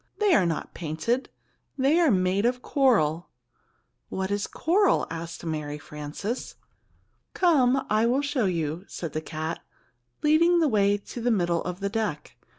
"They are not painted. They are made of coral." "What is coral?" asked Mary Frances. "Come, I will show you," said the cat, leading the way to the middle of the deck.